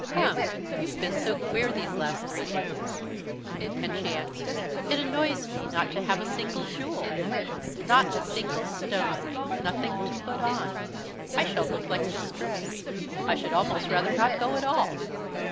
Come, you've been so queer these last three days." And she answered: "It annoys me not to have a single jewel, not a single stone, nothing to put on. I shall look like distress. I should almost rather not go at all."